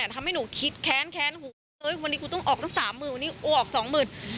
ทำให้หนูคิดแค้นวันนี้กูต้องออกตั้ง๓หมื่นวันนี้กูต้องออก๒หมื่น